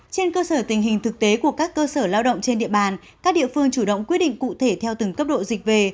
trên cơ sở tình hình thực tế của các cơ sở lao động trên địa bàn các địa phương chủ động quyết định cụ thể theo từng cấp độ dịch về